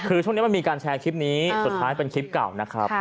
คือช่วงนี้มันมีการแชร์คลิปนี้สุดท้ายเป็นคลิปเก่านะครับ